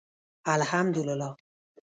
الحمدالله